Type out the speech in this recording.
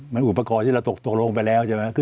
มันอุปกรณ์ที่เราตกลงไปแล้วใช่ไหม